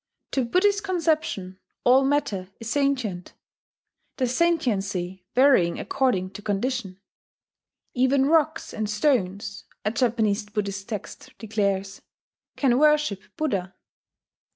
To Buddhist conception all matter is sentient, the sentiency varying according to condition: "even rocks and stones," a Japanese Buddhist text declares, "can worship Buddha."